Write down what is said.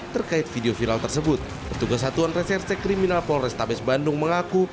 terkait video viral tersebut petugas satuan reserse kriminal polrestabes bandung mengaku